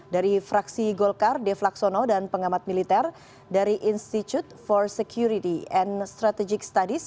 dari fraksi golkar dev laksono dan pengamat militer dari institute for security and strategic studies